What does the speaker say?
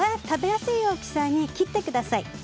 食べやすい大きさに切ってください。